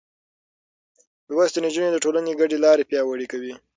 لوستې نجونې د ټولنې ګډې لارې پياوړې کوي.